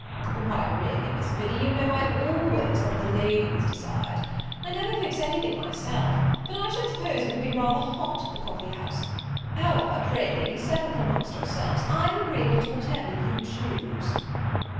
"Why, really, Miss Biddy, you know I always let the ladies decide; I never fix any thing myself; but I should suppose it would be rather hot at the coffee house: however, pray, ladies, settle it among yourselves; I'm agreeable to whatever you choose."